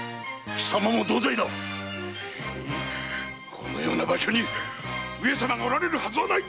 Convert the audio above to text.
このような場所に上様がおられるはずはない！